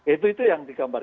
itu itu yang digambar